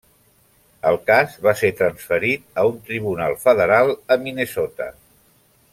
El cas va ser transferit a un tribunal federal a Minnesota.